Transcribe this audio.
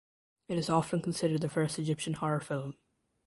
It is often considered the first Egyptian horror film.